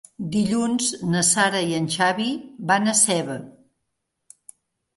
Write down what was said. Dilluns na Sara i en Xavi van a Seva.